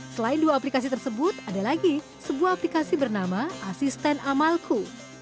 selain dua aplikasi tersebut ada lagi sebuah aplikasi bernama asisten amalku